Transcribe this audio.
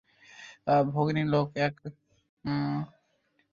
ভগিনী লক এক লম্বা চিঠি লিখেছে এবং হয়তো উত্তরের দেরী দেখে আশ্চর্য হয়েছে।